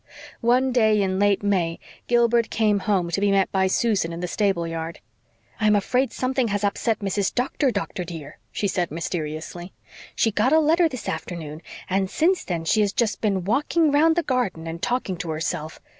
One day in late May Gilbert came home to be met by Susan in the stable yard. "I am afraid something has upset Mrs. Doctor, doctor, dear," she said mysteriously. "She got a letter this afternoon and since then she has just been walking round the garden and talking to herself.